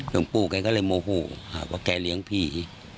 หลวงปู่แกก็เลยโมโหว่าแกเลี้ยงผี